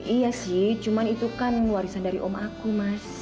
iya sih cuma itu kan warisan dari om aku mas